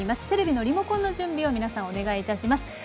テレビのリモコンの準備を皆さん、お願いいたします。